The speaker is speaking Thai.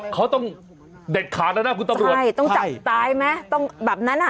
เขาต้องเด็ดขาดแล้วนะคุณตำรวจใช่ต้องจับตายไหมต้องแบบนั้นอ่ะ